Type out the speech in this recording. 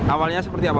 awalnya seperti apa pak